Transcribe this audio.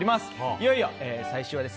いよいよ最終話です。